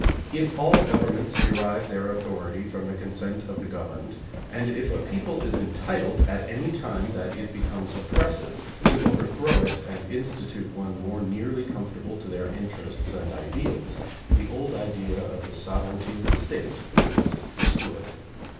If all gov ernments derive their authority from the consent of the governed, and if a people is entitled, at any time that it becomes oppressive, to overthrow it and institute one more nearly conformable to their in terests and ideals, the old idea of the sovereignty of the State is destroyed.